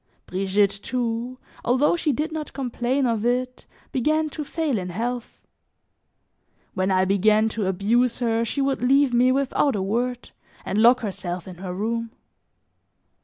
Brigitte, too, although she did not complain of it, began to fail in health. When I began to abuse her she would leave me without a word and lock herself in her room.